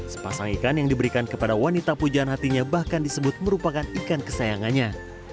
sepasang ikan yang diberikan kepada wanita pujaan hatinya bahkan disebut merupakan ikan kesayangannya